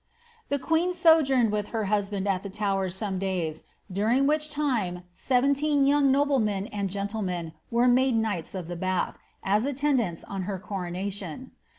The queen sojourned with her husband at the Tower some days, during which time seventeen young noblemen and gentlemen were made knights of the Bath, as attendants on her coronation.